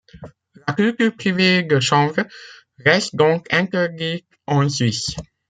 La culture privée de chanvre reste donc interdite en Suisse.